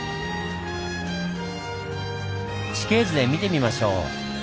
地形図で見てみましょう。